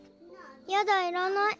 やだいらない。